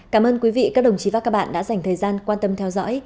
cảm ơn quý vị các đồng chí và các bạn đã dành thời gian quan tâm theo dõi